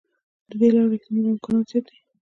د دې لارې احتمال او امکان زیات دی.